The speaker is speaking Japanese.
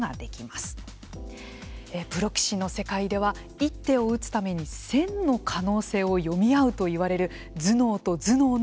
プロ棋士の世界では一手を打つために１，０００の可能性を読み合うといわれる頭脳と頭脳のぶつかり合いです。